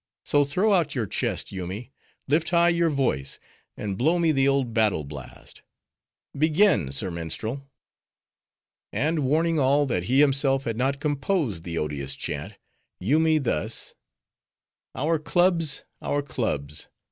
So throw out your chest, Yoomy: lift high your voice; and blow me the old battle blast.—Begin, sir minstrel." And warning all, that he himself had not composed the odious chant, Yoomy thus:— Our clubs! our clubs!